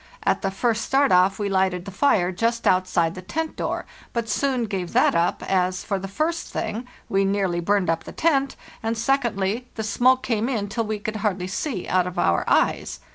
At the first start off we hghted the fire just outside the tent door, but soon gave that up, as, for the first thing, we nearly burned up the tent, and, secondly, the smoke came in till we could hardly see out of our eyes.